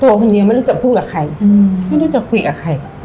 คนเดียวไม่รู้จะพูดกับใครไม่รู้จะคุยกับใคร